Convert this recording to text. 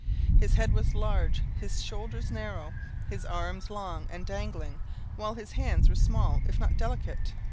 His head was large; his shoulders narrow; his arms long and dangling; while his hands were small, if not delicate.